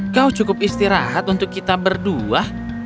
kau cukup istirahat untuk kita berdua